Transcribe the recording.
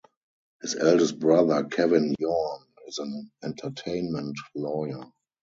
His eldest brother Kevin Yorn is an entertainment lawyer.